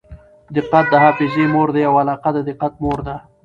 دقت د حافظې مور دئ او علاقه د دقت مور ده.